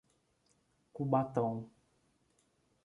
Cubatão